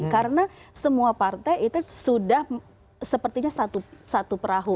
karena semua partai itu sudah sepertinya satu perahu